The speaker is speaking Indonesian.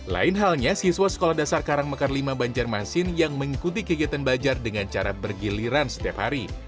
lain halnya siswa sekolah dasar karangmekar lima banjarmasin yang mengikuti kegiatan belajar dengan cara bergiliran setiap hari